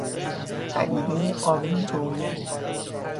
پدیدهی قابل رویت